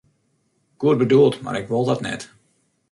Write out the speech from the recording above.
Goed bedoeld, mar ik wol dat net.